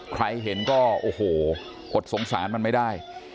ใครเห็นก็โอ้โหอดสงสารมันไม่ได้